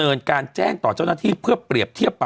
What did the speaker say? เป็นการกระตุ้นการไหลเวียนของเลือด